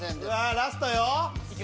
ラストよ。